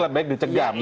lebih baik dicegap